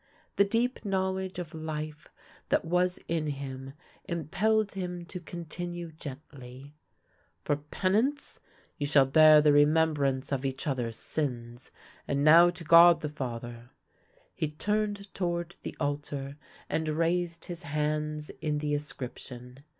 The deep knowl edge of life that was in hrm impelled him to continue gently :" For penance you shall bear the remembrance of each other's sins. And now to God the Father " He turned toward the altar, and raised his hands in the ascription.